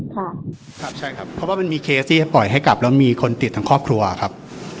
ครับใช่ครับเพราะว่ามันมีเคสที่ให้ปล่อยให้กลับแล้วมีคนติดทั้งครอบครัวครับ